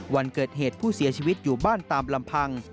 วันเกิดเหตุผู้เสียชีวิตอยู่บ้านตามลำพัง